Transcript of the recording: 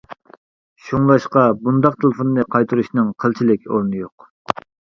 شۇڭلاشقا بۇنداق تېلېفوننى قايتۇرۇشنىڭ قىلچىلىك ئورنى يوق.